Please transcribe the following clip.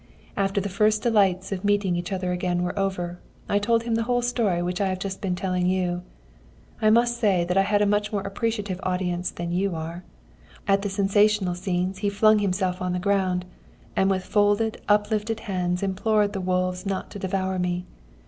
"After the first delights of meeting each other again were over, I told him the whole story which I have just been telling you. I must say that I had a much more appreciative audience than you are. At the sensational scenes, he flung himself on the ground ... and with folded, uplifted hands implored the wolves not to devour me.